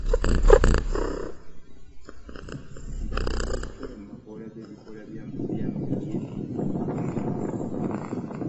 Endala bazikola mu bikola byamatabi g'ebinazi .